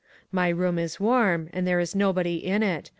My room is warm, and there is nobody in it.